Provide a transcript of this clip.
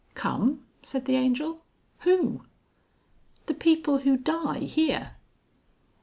"Come!" said the Angel. "Who?" "The people who die here."